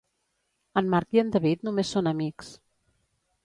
En Marc i en David només són amics.